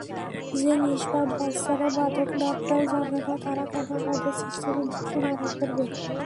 যে নিষ্পাপ বাচ্চারা মাদক নামটাও জানে না তারা কেন আমাদের সিস্টেমের দোষে মারা পড়বে?